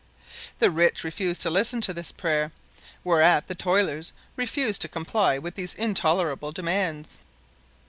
The rich refused to listen to this prayer, whereat the toilers refused to comply with these intolerable demands.